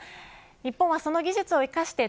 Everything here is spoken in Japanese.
日本はその技術を生かして